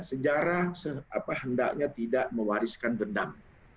sejarah hendaknya tidak mewariskan dendam